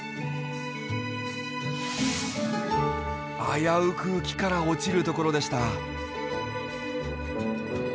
危うく木から落ちるところでした。